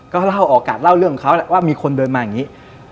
ก็เล่าโอกาสเล่าเรื่องของเขาแหละว่ามีคนเดินมาอย่างนี้